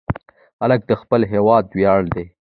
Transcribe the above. هلک د خپل هېواد ویاړ دی.